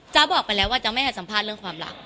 บอกไปแล้วว่าจ๊ะไม่ให้สัมภาษณ์เรื่องความรัก